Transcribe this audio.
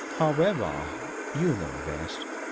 However, you know best.